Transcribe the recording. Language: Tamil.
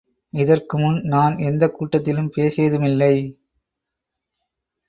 இதற்கு முன் நான் எந்தக் கூட்டத்திலும் பேசியதுமில்லை.